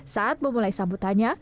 saat memulai sambutannya